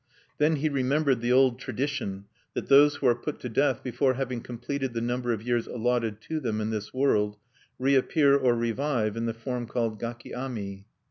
Then he remembered the old tradition, that those who are put to death before having completed the number of years allotted to them in this world reappear or revive in the form called gaki ami.